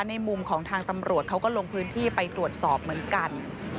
ในมุมของทางตำรวจเขาก็ลงพื้นที่ไปตรวจสอบเหมือนกัน